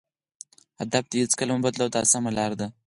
هدف دې هېڅکله مه بدلوه دا سمه لار ده.